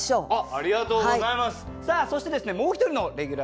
ありがとうございます。